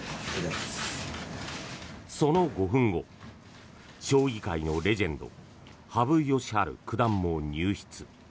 その５分後将棋界のレジェンド羽生善治九段も入室。